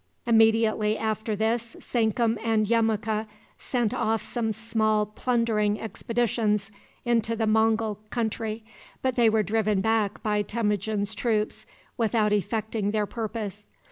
Immediately after this Sankum and Yemuka sent off some small plundering expeditions into the Mongul country, but they were driven back by Temujin's troops without effecting their purpose.